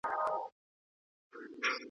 د ګرداب خولې ته کښتۍ سوه برابره